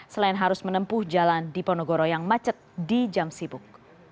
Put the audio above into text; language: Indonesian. selain harus menempuh jalan di ponegoro yang macet di jam sibuk